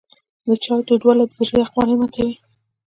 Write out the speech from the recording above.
د چای تودوالی د زړه یخوالی ماتوي.